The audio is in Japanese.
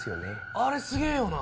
あれすげぇよな！